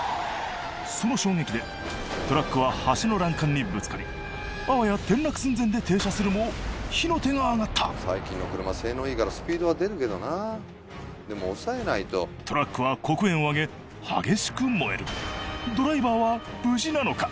その衝撃でトラックは橋の欄干にぶつかりあわや転落寸前で停車するも火の手が上がった最近の車性能いいからスピードは出るけどなでも抑えないとトラックは黒煙を上げ激しく燃えるドライバーは無事なのか？